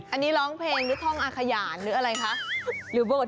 อันนี้ร้องเพลงหรือท่องอาขยานหรืออะไรคะ